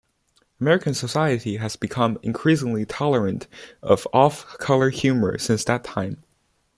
American society has become increasingly tolerant of off-color humor since that time.